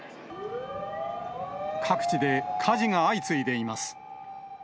各地で火事が相次いでいます。